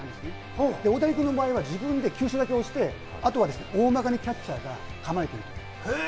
大谷君の場合は球種だけ押して、あとは大まかにキャッチャーが構えている。